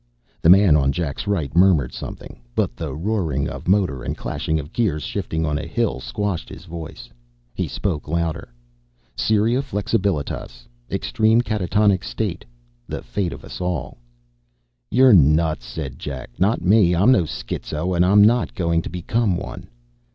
The man on Jack's right murmured something, but the roaring of motor and clashing of gears shifting on a hill squashed his voice. He spoke louder: "Cerea flexibilitas. Extreme catatonic state. The fate of all of us." "You're nuts," said Jack. "Not me. I'm no schizo, and I'm not going to become one."